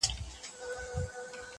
o داسي سفردی پرنمبرباندي وردرومي هرڅوک,